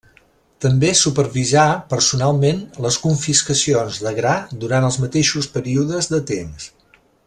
També supervisà personalment les confiscacions de gra durant els mateixos períodes de temps.